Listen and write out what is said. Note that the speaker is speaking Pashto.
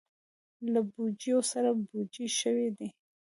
له بوجیو سره بوجۍ شوي دي.